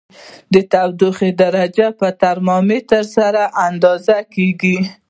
د تودوخې درجه په ترمامتر سره اندازه کړئ.